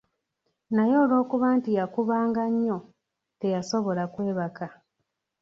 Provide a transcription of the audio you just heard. Naye olw'okuba nti yakubanga nnyo, teyasobola kwebaka.